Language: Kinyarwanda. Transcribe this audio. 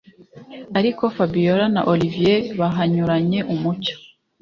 ariko fabiora na olivier bahanyuranye umucyo.